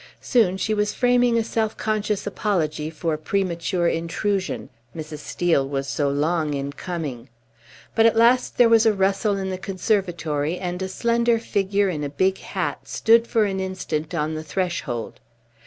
Soon she was framing a self conscious apology for premature intrusion Mrs. Steel was so long in coming. But at last there was a rustle in the conservatory, and a slender figure in a big hat stood for an instant on the threshold.